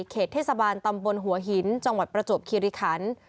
เขตเทศบาลตำบลหัวหินจังหวัดประจวบคิริคัน